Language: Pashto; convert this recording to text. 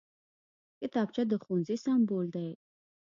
کتابچه د ښوونځي سمبول دی